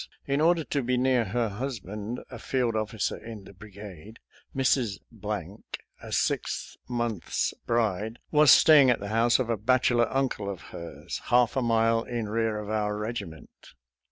In order to be near her husband, a field officer in the bri gade, Mrs. , a six months' bride, was stay ing at the house of a bachelor uncle of hers, half a mile in rear of our regiment.